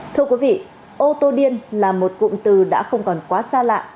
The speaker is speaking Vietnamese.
thưa quý vị ô tô điên là một cụm từ đã không còn quá xa lạ